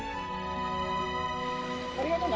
ありがとうな。